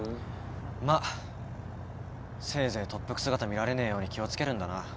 まあせいぜい特服姿見られねえように気を付けるんだな。